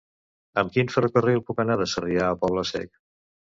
Amb quin ferrocarril puc anar de Sarrià a Poble Sec?